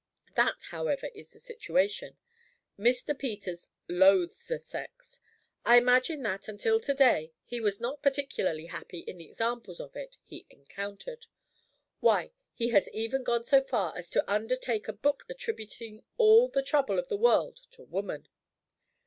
That, however, is the situation. Mr. Peters loathes the sex. I imagine that, until to day, he was not particularly happy in the examples of it he encountered. Why, he has even gone so far as to undertake a book attributing all the trouble of the world to woman."